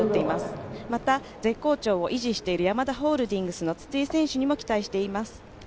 また絶好調を維持しているヤマダホールディングスの筒井咲帆選手にも期待しています。